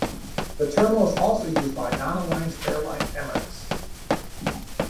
The terminal is also used by non-alliance airline Emirates.